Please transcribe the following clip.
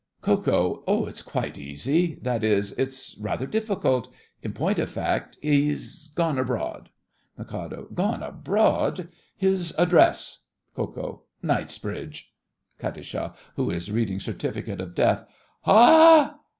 KO. It's quite easy. That is, it's rather difficult. In point of fact, he's gone abroad! MIK. Gone abroad! His address. KO. Knightsbridge! KAT. (who is reading certificate of death). Ha!